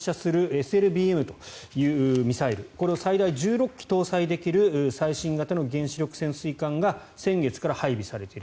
このロシア太平洋艦隊は潜水艦から発射するＳＬＢＭというミサイルこれを最大１６基搭載できる最新型の原子力潜水艦が先月から配備されている。